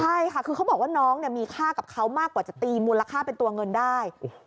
ใช่ค่ะคือเขาบอกว่าน้องมีค่ากับเขามากกว่าจะตีมูลค่าเป็นตัวเงินได้